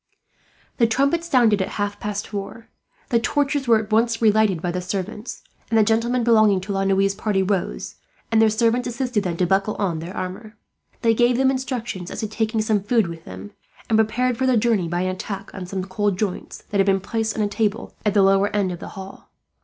The trumpet sounded at half past four. The torches were at once relighted by the servants, and the gentlemen belonging to La Noue's party rose, and their servants assisted them to buckle on their armour. They gave them instructions as to taking some food with them, and prepared for their journey by an attack on some cold joints, that had been placed on a table at the lower end of the hall.